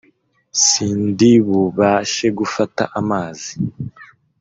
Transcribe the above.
sindibubashe gufata amazi